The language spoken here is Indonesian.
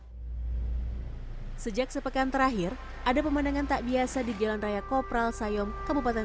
hai sejak sepekan terakhir ada pemandangan tak biasa di jalan raya kopral sayom kabupaten